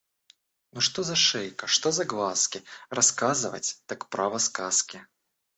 Ну что за шейка, что за глазки! Рассказывать, так, право, сказки!